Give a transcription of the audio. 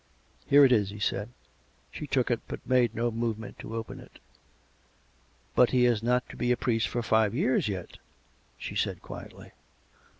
" Here it is," he said. She took it; but made no movement to open it. " But he is not to be a priest for five years yet? " she said quietly.